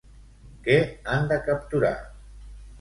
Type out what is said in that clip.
Què han de capturar?